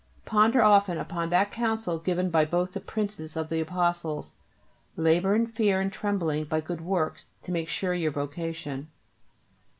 Ponder often on that counsel given by both the Princes of the Apostles; Labour in fear and trembling by good works to make sure your vocation.